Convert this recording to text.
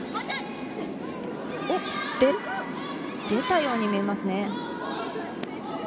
出たように見えますね。